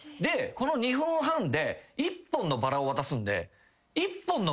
この２分半で１本のバラを渡すんで。